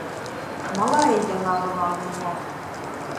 Малая яна была ў яго.